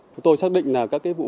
chúng tôi xác định là các vụ việc